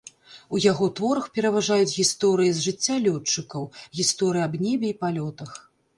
У яго творах пераважаюць гісторыі з жыцця лётчыкаў, гісторыі аб небе і палётах.